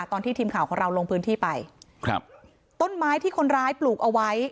ตอนที่ทีมข่าวของเราลงพื้นที่ไปครับต้นไม้ที่คนร้ายปลูกเอาไว้